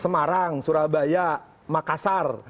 semarang surabaya makassar